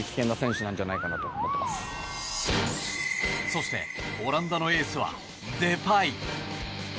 そしてオランダのエースはデパイ。